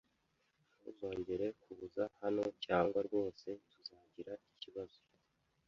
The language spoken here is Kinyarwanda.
Ntuzongere kuza hano cyangwa rwose tuzagira ikibazo.